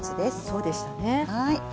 そうでしたね。